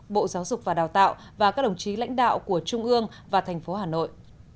bộ giáo dục và đào tạo và các đồng chí lãnh đạo của trung ương và thành phố hà nội